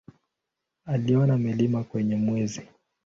Aliona milima kwenye Mwezi.